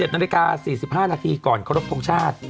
๑๗นาฬิกา๔๕นาทีก่อนครบโทษชาติ